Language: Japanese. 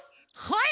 はい！